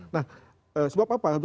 nah sebab apa